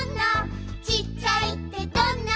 「ちっちゃいってどんな？」